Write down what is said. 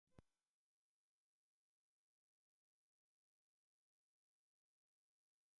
ところで、私は「重山」という号をもっております